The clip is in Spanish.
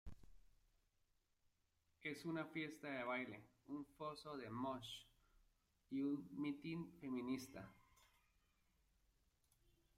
Es una fiesta de baile, un foso de mosh y un mitin feminista.